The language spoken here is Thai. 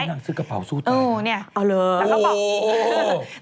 แม่นางซื้อกระเป๋าสู้ใจเออเนี่ยเอาเลยแต่เขาบอก